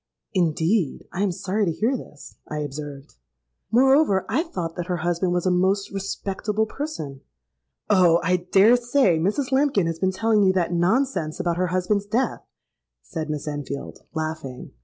'—'Indeed! I am sorry to hear this,' I observed. 'Moreover, I thought that her husband was a most respectable person.'—'Oh! I dare say Mrs. Lambkin has been telling you that nonsense about her husband's death,' said Miss Enfield, laughing.